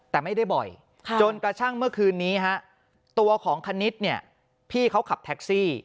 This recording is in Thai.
แต่ไม่ได้บ่อยจนกระทั่งเมื่อคืนนี้ฮะตัวของคณิตเนี่ยพี่เขาขับแท็กซี่